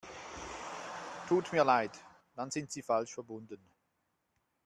Tut mir leid, dann sind Sie falsch verbunden.